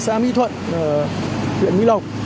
xa mỹ thuận huyện mỹ lộc